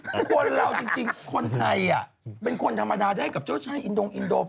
คือคนเราจริงคนไทยเป็นคนธรรมดาได้กับเจ้าชายอินดงอินโด